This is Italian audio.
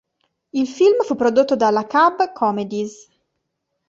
Il film fu prodotto dalla Cub Comedies.